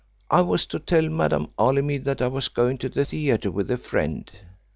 I was to tell Madame Holymead that I was going to the theatre with a friend.